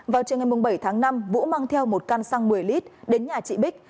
vào trường ngày bảy tháng năm vũ mang theo một căn xăng một mươi lít đến nhà chị bích